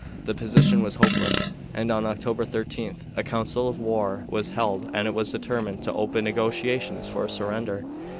The position was hopeless, and on October 13 a council of war was held and it was determined to open negotiations for a surrender.